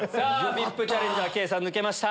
ＶＩＰチャレンジャー圭さん抜けました。